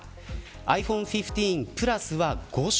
ｉＰｈｏｎｅ１５Ｐｌｕｓは５色